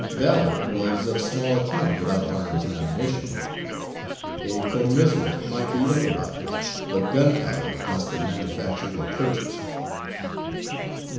Valour was of small account without arms and ammunition. A commissariat might be improvised, but gunpowder must be manufactured or purchased.